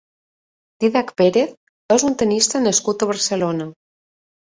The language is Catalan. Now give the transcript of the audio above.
Didac Pérez és un tennista nascut a Barcelona.